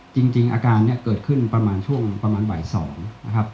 จริงอาการเนี่ยเกิดขึ้นประมาณช่วงประมาณบ่าย๒นะครับ